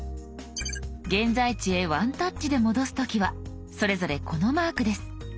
現在地へワンタッチで戻す時はそれぞれこのマークです。